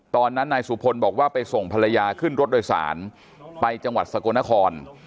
ตอนนั้นนายสุพลบอกว่าไปส่งภรรยาขึ้นรถโดยสารไปจังหวัดสกลนคร